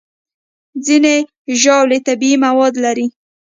ځینې ژاولې طبیعي مواد لري.